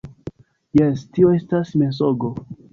Jes, - Tio estas mensogo.